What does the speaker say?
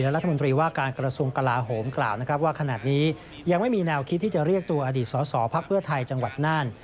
รัฐมนตรีว่าการกระทรวงกลาโหมกล่าวนะครับว่าขณะนี้ยังไม่มีแนวคิดที่จะเรียกตัวอดีตสสพักเพื่อไทยจังหวัดน่าน